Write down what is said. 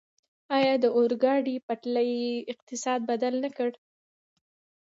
آیا د اورګاډي پټلۍ اقتصاد بدل نه کړ؟